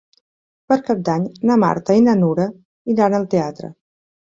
Per Cap d'Any na Marta i na Nura iran al teatre.